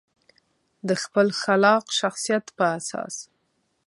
د خپل خلاق شخصیت په اساس.